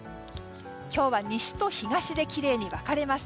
今日は西と東できれいに分かれます。